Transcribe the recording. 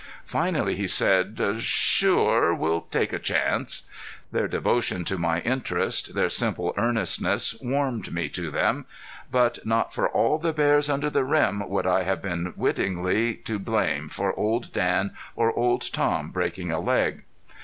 Finally he said: "Sure. We'll take a chance." Their devotion to my interest, their simple earnestness, warmed me to them. But not for all the bears under the rim would I have been wittingly to blame for Old Dan or Old Tom breaking a leg.